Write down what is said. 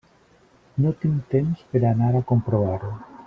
No tinc temps per a anar a comprovar-ho.